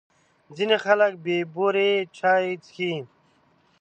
ځینې خلک بې بوري چای څښي.